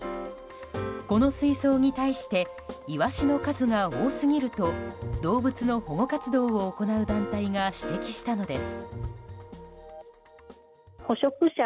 この水槽に対してイワシの数が多すぎると動物の保護活動を行う団体が指摘したのです。